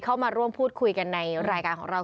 เข้ามาร่วมพูดคุยกันในรายการของเรา